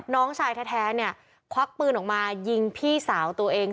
น้องชายแท้เนี่ยควักปืนออกมายิงพี่สาวตัวเอง